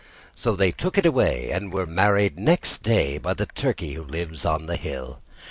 So they took it away, and were married next day By the Turkey who lives on the hill.